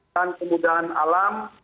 dengan kemudahan alam